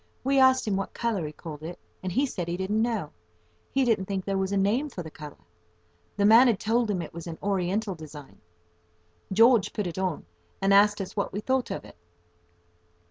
We asked him what colour he called it, and he said he didn't know. He didn't think there was a name for the colour. The man had told him it was an Oriental design. George put it on, and asked us what we thought of it.